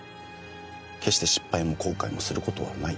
決して失敗も後悔もする事はない。